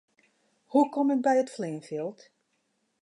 Hoe kom ik by it fleanfjild?